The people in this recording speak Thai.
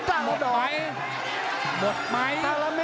ทาราเจ้าแหละเอิ้มทายใบไหน